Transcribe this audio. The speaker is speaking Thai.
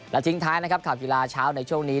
และทิ้งท้ายนะครับข่าวกีฬาเช้าในช่วงนี้